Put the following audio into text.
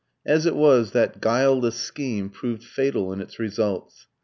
As it was, that guileless scheme proved fatal in its results.